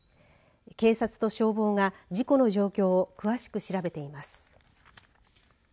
警察と消防が事故の状況を詳しく調べています。